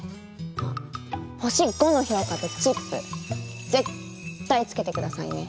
あっ星５の評価とチップ絶対つけて下さいね！